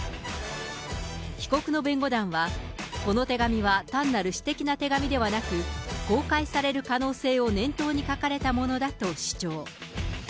被告の弁護団は、この手紙は単なる私的な手紙ではなく、公開される可能性を念頭に書かれたものだと主張。